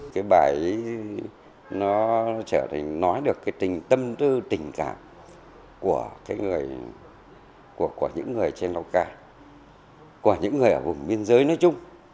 cái bài ấy nó trở thành nói được cái tình tâm tư tình cảm của những người trên lào cai của những người ở vùng biên giới nói chung